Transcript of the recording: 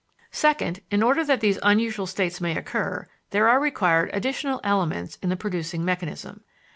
Second, in order that these unusual states may occur, there are required additional elements in the producing mechanism.